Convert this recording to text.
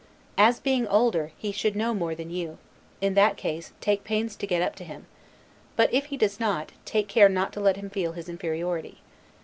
As being older, he should know more than you; in that case, take pains to get up to him; but if he does not, take care not to let him feel his inferiority.